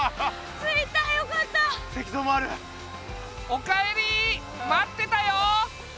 おかえり待ってたよ！